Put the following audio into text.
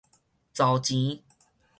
找錢